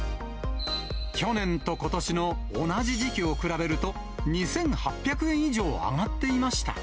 去年とことしの同じ時期を比べると、２８００円以上上がっていました。